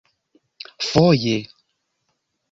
foje